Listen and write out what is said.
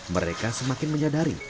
mereka semakin menyadari